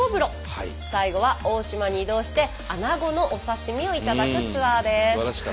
最後は大島に移動してあなごのお刺身を頂くツアーです。